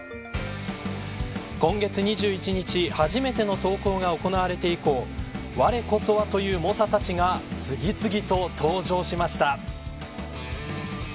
今月２１日初めての投稿が行われて以降われこそはという猛者たちが次々と登場しました。